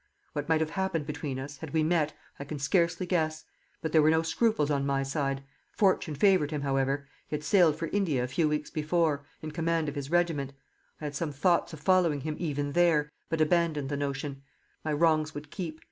What might have happened between us, had we met, I can scarcely guess; but there were no scruples on my side. Fortune favoured him, however; he had sailed for India a few weeks before, in command of his regiment. I had some thoughts of following him even there, but abandoned the notion. My wrongs would keep.